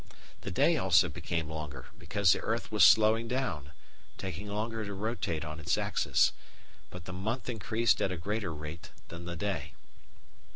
The day also became longer, because the earth was slowing down, taking longer to rotate on its axis, but the month increased at a greater rate than the day.